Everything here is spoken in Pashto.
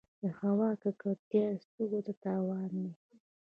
د هوا ککړتیا سږو ته تاوان دی.